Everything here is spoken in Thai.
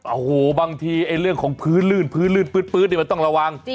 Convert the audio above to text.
โอ้โหบางทีเรื่องของพื้นลื่นพื้นลื่นปื๊ดนี่มันต้องระวัง